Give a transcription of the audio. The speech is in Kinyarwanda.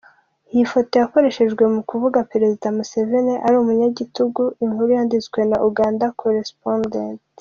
Iyi foto yakoreshejwe mu kuvuga ko Perezida Museveni ari umunyagitugu inkuru yanditswe na ugandacorrespondent.